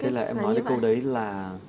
thế là em nói cái câu đấy là